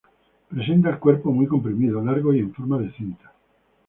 Presenta el cuerpo muy comprimido, largo y en forma de cinta.